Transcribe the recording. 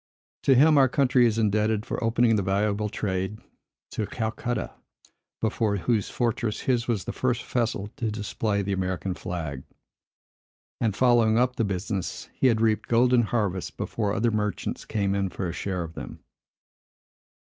To him our country is indebted for opening the valuable trade to Calcutta; before whose fortress his was the first vessel to display the American flag; and, following up the business, he had reaped golden harvests before other merchants came in for a share of them.